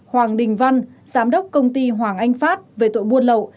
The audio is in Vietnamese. hoàng đình văn giám đốc công ty hoàng anh phát về tội buôn lậu